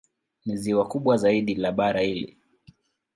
Ni ziwa kubwa zaidi la bara hili.